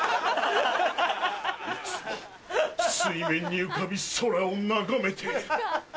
いつも水面に浮かび空を眺めている。